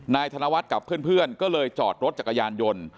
ธนวัฒน์กับเพื่อนก็เลยจอดรถจักรยานยนต์